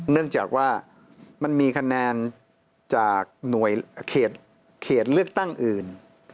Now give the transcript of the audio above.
เนื่องจากว่ามันมีคะแนนจากหน่วยเขตเลือกตั้งอื่น